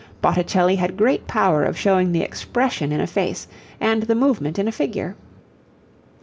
Botticelli had great power of showing the expression in a face, and the movement in a figure.